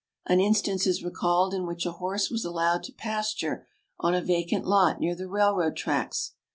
An instance is recalled in which a horse was allowed to pasture on a vacant lot near the rail road tracks.